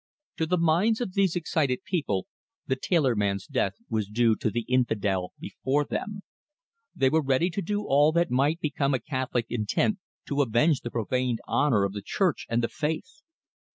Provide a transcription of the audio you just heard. To the minds of these excited people the tailor man's death was due to the infidel before them. They were ready to do all that might become a Catholic intent to avenge the profaned honour of the Church and the faith.